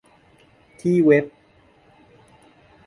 ที่เว็บ